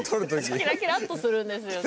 キラキラっとするんですよね。